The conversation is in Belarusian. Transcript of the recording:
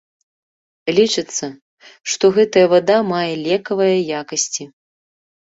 Лічыцца, што гэтая вада мае лекавыя якасці.